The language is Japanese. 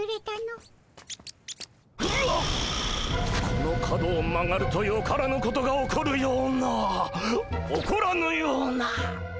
この角を曲がるとよからぬことが起こるような起こらぬような。